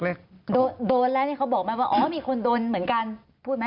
โดนแล้วเขาบอกมันว่าอ๋อมีคนโดนเหมือนกันพูดไหม